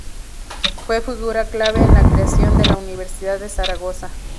Fue figura clave en la creación de la Universidad de Zaragoza.